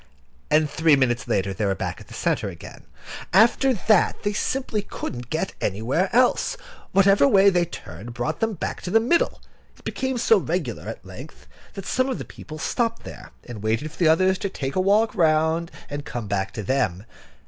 And three minutes later they were back in the centre again. After that, they simply couldn't get anywhere else. Whatever way they turned brought them back to the middle. It became so regular at length, that some of the people stopped there, and waited for the others to take a walk round, and come back to them.